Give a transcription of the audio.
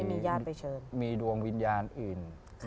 ไม่สามารถออกมาได้มีดวงวิญญาณอื่น